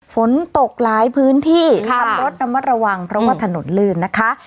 ฝนตกหลายพื้นที่ขับรถระมัดระวังเพราะว่าถนนลื่นนะคะ